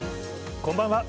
こんばんは。